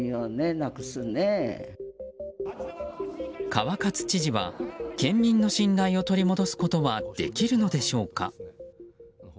川勝知事は県民の信頼を取り戻すことはできるのでしょうか。